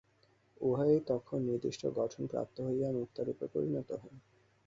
উহাই তখন নির্দিষ্ট গঠন প্রাপ্ত হইয়া মুক্তারূপে পরিণত হয়।